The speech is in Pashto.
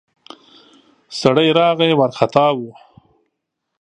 سړی راغی ، وارختا و.